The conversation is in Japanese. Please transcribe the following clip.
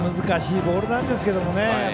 難しいボールなんですけどもね。